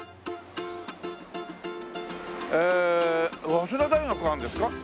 早稲田大学があるんですか？